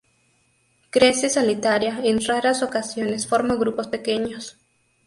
Crece solitaria, en raras ocasiones, forma grupos pequeños.